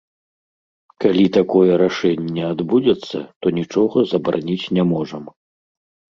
Калі такое рашэнне адбудзецца, то нічога забараніць не можам.